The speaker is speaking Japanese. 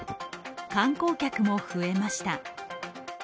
観光客も増えました。